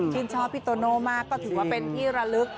ชอบพี่โตโน่มากก็ถือว่าเป็นที่ระลึก